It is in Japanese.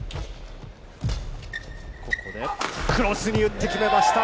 ここでクロスに打って決めました。